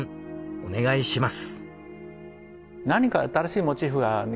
お願いします。